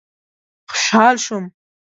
خوشحال شوم.